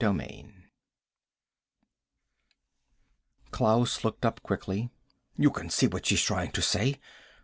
Klaus looked up quickly. "You can see what she's trying to say.